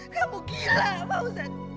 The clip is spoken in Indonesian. kamu gila pausat